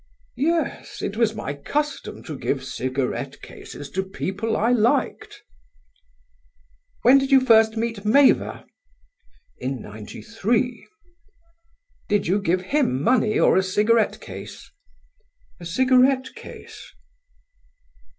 "Yes: it was my custom to give cigarette cases to people I liked." "When did you first meet Mavor?" "In '93." "Did you give him money or a cigarette case?" "A cigarette case."